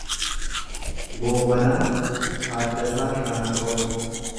Goobanaa Taaddasaa Shaanqoo